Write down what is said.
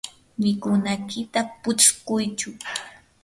mikunaykita putskuychu.